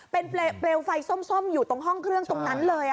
เป็นเปลวไฟส้มอยู่ตรงห้องเครื่องตรงนั้นเลย